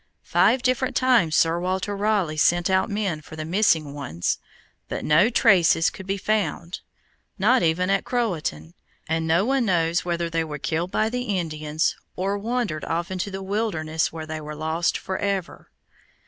Five different times Sir Walter Raleigh sent out men for the missing ones; but no traces could be found, not even at Croatan, and no one knows whether they were killed by the Indians, or wandered off into the wilderness where they were lost forever.